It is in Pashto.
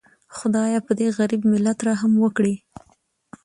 خدایه پدې غریب ملت رحم وکړي